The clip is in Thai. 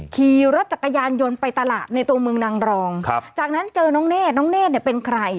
ขี่รถจักรยานยนต์ไปตลาดในตัวเมืองนางรองครับจากนั้นเจอน้องเนธน้องเนธเนี่ยเป็นใคร